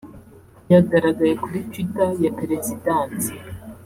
yagaragaye kuri Twitter ya Perezidansi